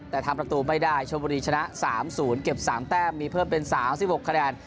แต่ทำประตูไม่ได้ชมบุรีชนะ๓๐เก็บ๓แต้มมีเพิ่มเป็น๓๖คะแนน